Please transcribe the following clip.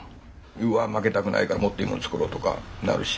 うわ負けたくないからもっといいもの作ろうとかなるし。